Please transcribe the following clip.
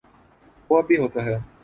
وہ اب بھی ہوتا ہے۔